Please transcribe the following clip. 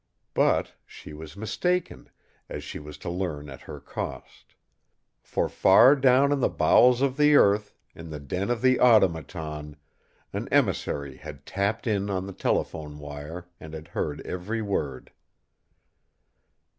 But she was mistaken, as she was to learn at her cost. For, far down in the bowels of the earth, in the den of the Automaton, an emissary had tapped in on the telephone wire and had heard every word.